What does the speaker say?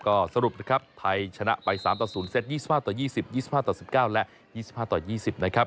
ก็สรุปนะครับไทยชนะไป๓๐เซต๒๕๒๐๒๕๑๙และ๒๕๒๐นะครับ